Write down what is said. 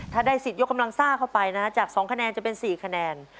ถ้าได้สิทธิยกกำลังซ่าเข้าไปนะฮะจาก๒คะแนนจะเป็น๔คะแนน